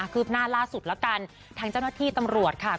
ืบหน้าล่าสุดแล้วกันทางเจ้าหน้าที่ตำรวจค่ะ